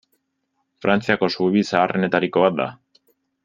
Frantziako zubi zaharrenetariko bat da.